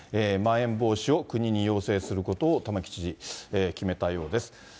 まん延防止を、国に要請することを、玉城知事、決めたようです。